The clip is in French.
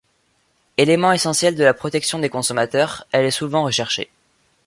Élément essentiel de la protection des consommateurs, elle est souvent recherchée.